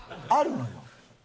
あるのよ。